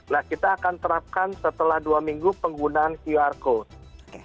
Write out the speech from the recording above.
nah kita akan terapkan setelah dua minggu penggunaan qr code